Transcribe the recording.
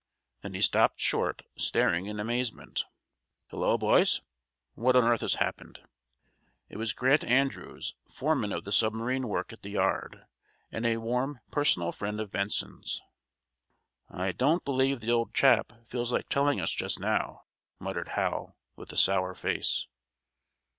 Then he stopped short, staring in amazement. "Hullo, boys! What on earth has happened?" It was Grant Andrews, foreman of the submarine work at the yard, and a warm personal friend of Benson's. "I don't believe the old chap feels like telling us just now," muttered Hal, with a sour face.